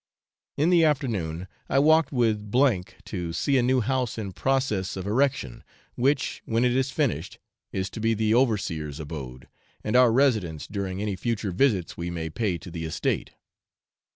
In the afternoon I walked with to see a new house in process of erection, which, when it is finished, is to be the overseer's abode and our residence during any future visits we may pay to the estate.